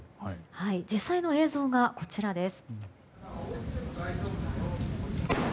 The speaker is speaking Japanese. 実際の映像がこちらです。